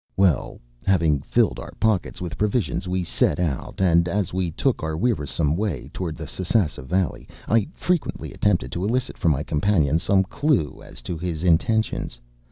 ” Well, having filled our pockets with provisions, we set out, and, as we took our wearisome way toward the Sasassa Valley, I frequently attempted to elicit from my companion some clue as to his intentions.